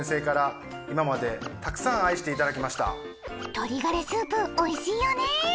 鶏ガラスープおいしいよね。